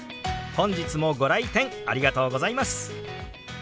本日もご来店ありがとうございます。